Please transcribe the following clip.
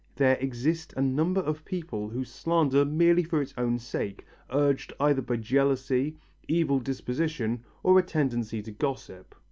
There exist a number of people who slander merely for its own sake, urged either by jealousy, evil disposition or a tendency to gossip.